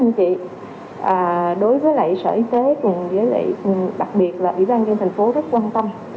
các anh chị đối với lại sở y tế đặc biệt là y tế tp hcm rất quan tâm